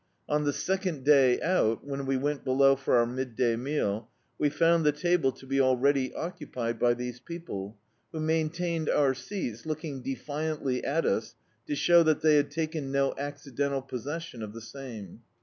On the second day out, when we went below for our mid day meal, we found the table to be already occupied by these people, who maintained our seats, looking defiantly at us to show that they had taken no accidental possessi<m of the same.